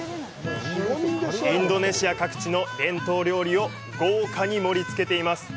インドネシア各地の伝統料理を豪華に盛り付けています。